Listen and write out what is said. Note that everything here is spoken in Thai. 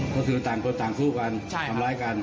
ก็คือต่างคนต่างสู้กันทำร้ายกัน